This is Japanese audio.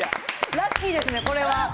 ラッキーですね、これは。